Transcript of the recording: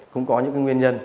không có những nguyên nhân